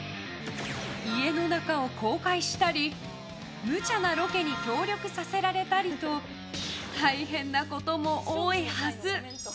家の中を公開したりむちゃなロケに協力させられたりと大変なことも多いはず。